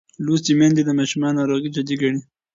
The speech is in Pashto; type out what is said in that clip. لوستې میندې د ماشوم ناروغي جدي ګڼي.